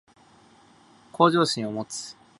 向上心を持つ